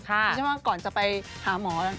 ไม่ใช่ว่าก่อนจะไปหาหมอ